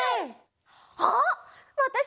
あわたし